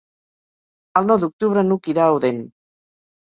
El nou d'octubre n'Hug irà a Odèn.